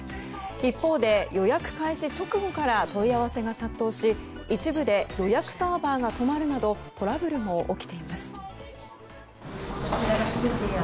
一方で予約開始直後から問い合わせが殺到し一部で予約サーバーが止まるなどトラブルも起きています。